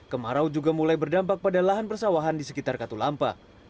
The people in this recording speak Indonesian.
kemarau juga mulai berdampak pada lahan persawahan di sekitar katulampa